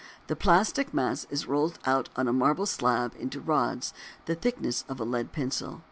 The plastic mass is rolled out on a marble slab into rods the thickness of a lead pencil.